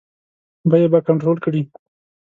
بیې به کنټرول کړي.